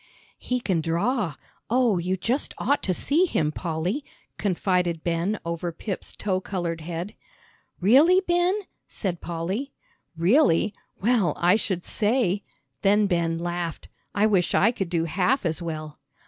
"He can draw. Oh, you just ought to see him, Polly," confided Ben over Pip's tow colored head. "Really, Ben?" said Polly. "Really? well, I should say!" Then Ben laughed. "I wish I could do half as well."